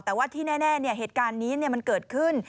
แต่ว่าที่แน่เหตุการณ์นี้มันเกิดขึ้น